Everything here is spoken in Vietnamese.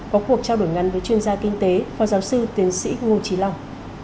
có cuộc trao đổi ngắn với chuyên gia kinh tế phó giáo sư tiến sĩ ngô trí long